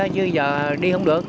chứ giờ đi không được